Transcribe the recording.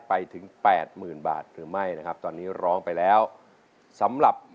เพลงนี้คือเพลงที่๔นะครับ